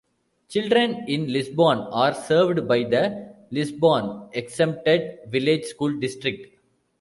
Children in Lisbon are served by the Lisbon Exempted Village School District.